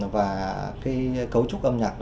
và cấu trúc âm nhạc